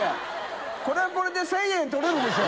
これはこれで１０００円取れるでしょ。